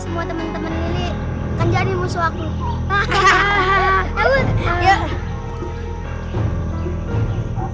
semua temen temen lili akan jadi musuh aku